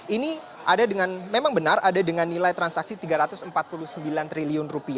ini memang benar ada dengan nilai transaksi rp tiga ratus empat puluh sembilan triliun